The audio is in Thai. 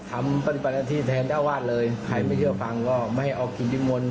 ทำปฏิบัติหน้าที่แทนเจ้าวาดเลยใครไม่เชื่อฟังก็ไม่ให้เอากิจนิมนต์